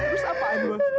terus apa agung